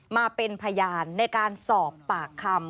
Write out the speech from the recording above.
มาเป็นพยานในการสอบปากคำ